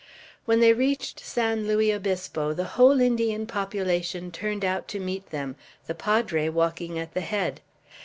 When they reached San Luis Obispo, the whole Indian population turned out to meet them, the Padre walking at the head.